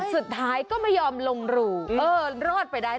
สุดท้ายก็ไม่ยอมลงรูเออรอดไปได้